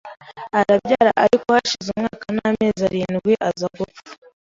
arabyara ariko hashize umwaka n’amezi arindwi aza gupfa